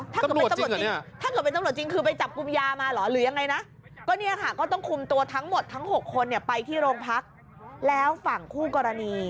ถ้าเป็นตำรวจจริงคือไปจับกุมยามาหรอหรือยังไงนะต้องคุมตัวทั้งหมดทั้ง๖คนเนี่ยไปที่โรงพักแล้วฝั่งคู่กรณี